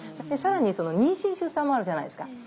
更に妊娠・出産もあるじゃないですか。